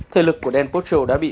thể lực của dancocho đã bị